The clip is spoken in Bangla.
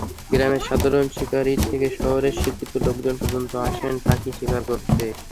গ্রামের সাধারণ শিকারি থেকে শহরের শিক্ষিত লোকজন পর্যন্ত আসেন পাখি শিকার করতে।